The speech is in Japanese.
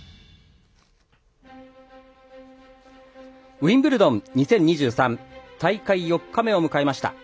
ウィンブルドン２０２３大会４日目を迎えました。